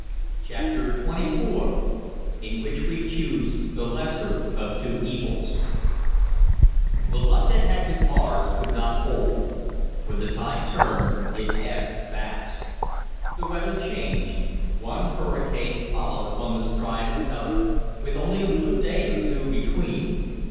CHAPTER XXIV IN WHICH WE CHOOSE THE LESSER OF TWO EVILS THE luck that had been ours could not hold; when the tide turned, it ebbed fast. The weather changed. One hurricane followed upon the stride of another, with only a blue day or two between.